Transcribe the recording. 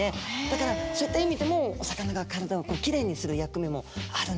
だからそういった意味でもお魚が体をきれいにする役目もあるんですね。